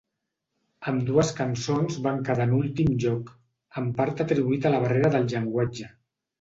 Ambdues cançons van quedar en últim lloc, en part atribuït a la barrera del llenguatge.